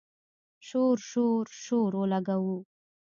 شور، شور، شور اولګوو